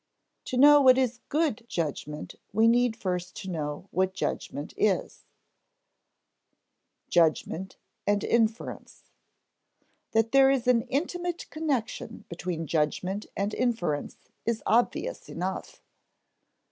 To know what is good judgment we need first to know what judgment is. [Sidenote: Judgment and inference] That there is an intimate connection between judgment and inference is obvious enough.